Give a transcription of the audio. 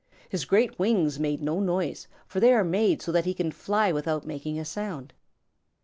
His great wings made no noise, for they are made so that he can fly without making a sound.